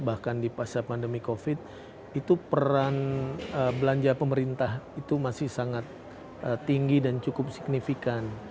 bahkan di masa pandemi covid itu peran belanja pemerintah itu masih sangat tinggi dan cukup signifikan